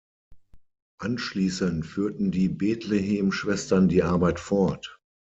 Anschließend führten die Bethlehem-Schwestern die Arbeit fort.